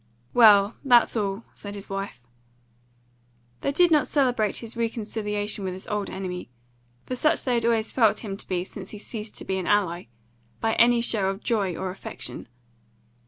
"Well, that's all," said his wife. They did not celebrate his reconciliation with his old enemy for such they had always felt him to be since he ceased to be an ally by any show of joy or affection.